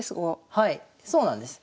はいそうなんです。